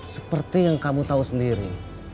seperti yang kamu tahu sendiri